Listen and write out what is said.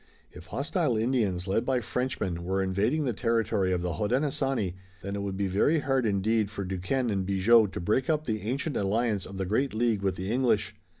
If hostile Indians, led by Frenchmen, were invading the territory of the Hodenosaunee, then it would be very hard indeed for Duquesne and Bigot to break up the ancient alliance of the great League with the English.